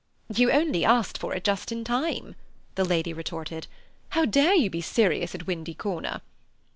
"You only asked for it just in time," the lady retorted. "How dare you be serious at Windy Corner?"